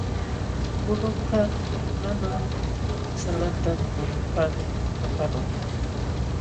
Kulukaq mana salanta mikunanpaqmi pakaqlun.